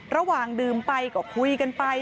ระหว่างดื่มไปก็คุยกันไป